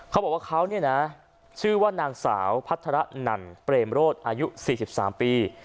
เขาบอกว่าเขาเนี่ยนะชื่อว่านางสาวพัฒระนันเปรมโรศอายุ๔๓ปี